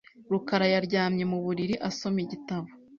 rukara yaryamye mu buriri asoma igitabo .